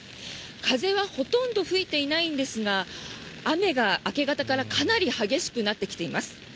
風はほとんど吹いていないんですが雨が明け方からかなり激しくなってきています。